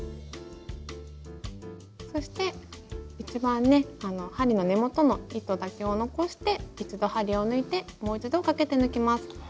そして一番ね針の根元の糸だけを残して一度針を抜いてもう一度かけて抜きます。